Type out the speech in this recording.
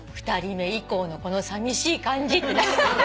２人目以降のこのさみしい感じ」って。